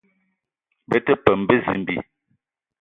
Me te peum bezimbi